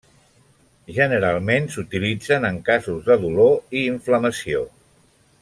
Generalment, s'utilitzen en casos de dolor i inflamació.